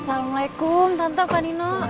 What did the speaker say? assalamualaikum tante pak nino